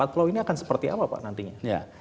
pulau ini akan seperti apa pak nantinya